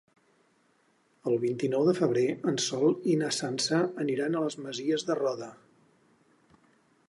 El vint-i-nou de febrer en Sol i na Sança aniran a les Masies de Roda.